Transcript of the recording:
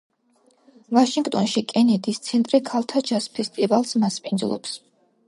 ვაშინგტონში კენედის ცენტრი ქალთა ჯაზ ფესტივალს მასპინძლობს.